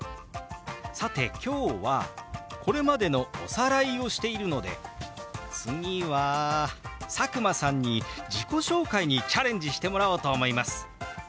さて今日はこれまでのおさらいをしているので次は佐久間さんに自己紹介にチャレンジしてもらおうと思います。